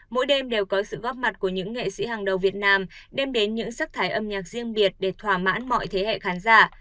mỗi đêm đều có sự góp mặt của những nghệ sĩ hàng đầu việt nam đem đến những sắc thái âm nhạc riêng biệt để thỏa mãn mọi thế hệ khán giả